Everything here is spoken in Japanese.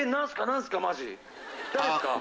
何すか？